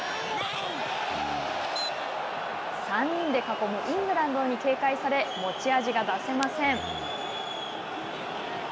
３人で囲むイングランドに警戒され、持ち味が出せません。